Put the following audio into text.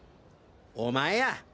お前や！